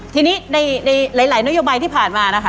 ทีนี้ในหลายนโยบายที่ผ่านมานะคะ